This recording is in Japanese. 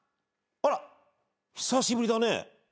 あら久しぶりだね。